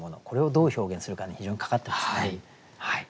これをどう表現するかに非常にかかってますね。